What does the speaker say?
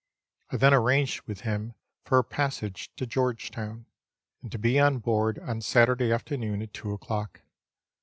I then arranged with him for a passage to George Town, and to be on board on Saturday afternoon at two o'clock.